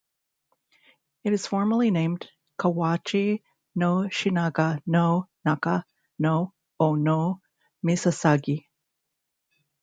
It is formally named "Kawachi no Shinaga no naka no o no misasagi".